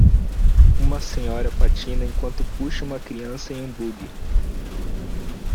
Uma senhora patina enquanto puxa uma criança em um buggy.